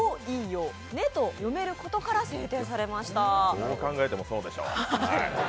どう考えてもそうでしょう。